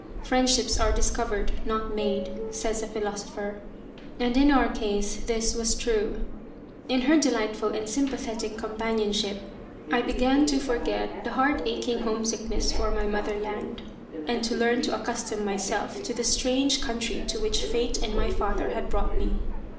" Friend ships are discovered, not made," says a philosopher, and in our case this was true. In her delightful and sympathetic companionship I began to forget the heart aching homesickness for my motherland, and to learn to accustom myself to the strange country to which fate and my father had brought me.